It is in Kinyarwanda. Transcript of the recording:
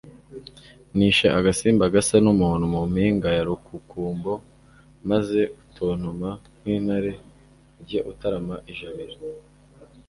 nishe agasimba gasa n'umuntu mu mpinga ya Rukukumbo, maze gutontoma nk'intare, ujye utarama ijabiro.